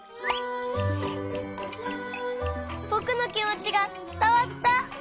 ぼくのきもちがつたわった！